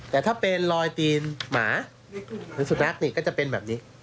แต่ถ้าเป็นรอยตีนหมาหรือสุนัขนี่ก็จะเป็นแบบนี้